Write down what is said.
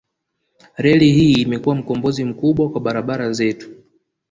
Reli hii imekuwa mkombozi mkubwa wa barabara zetu